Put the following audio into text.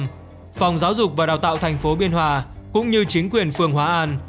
tuy nhiên phòng giáo dục và đào tạo thành phố biên hòa cũng như chính quyền phường hóa an